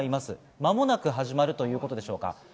間もなく始まるということでしょうか？